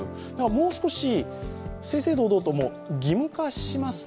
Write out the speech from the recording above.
もう少し、正々堂々と義務化しますと。